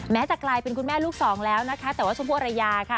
จะกลายเป็นคุณแม่ลูกสองแล้วนะคะแต่ว่าชมพูอารยาค่ะ